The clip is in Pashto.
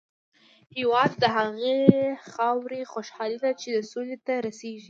هېواد د هغې خاورې خوشحالي ده چې سولې ته رسېږي.